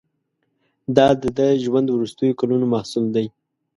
دا د ده ژوند وروستیو کلونو محصول دی.